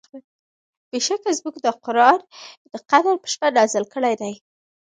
بېشکه مونږ دا قرآن د قدر په شپه نازل کړی دی